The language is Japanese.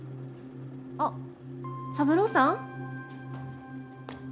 あっ三郎さん？